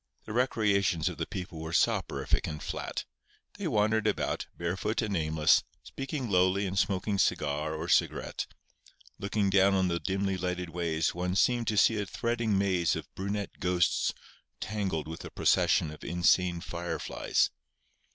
The recreations of the people were soporific and flat. They wandered about, barefoot and aimless, speaking lowly and smoking cigar or cigarette. Looking down on the dimly lighted ways one seemed to see a threading maze of brunette ghosts tangled with a procession of insane fireflies.